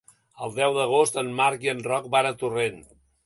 El deu d'agost en Marc i en Roc van a Torrent.